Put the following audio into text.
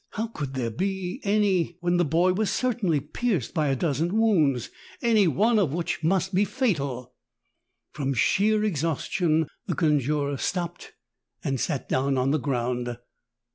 How could there be any when the boy was certainly pierced by a dozen wounds, any one of which must be fatal ? 96 THE TALKING HANDKERCHIEF. From sheer exhaustion the eonjurer .stopped and sat down on the ground.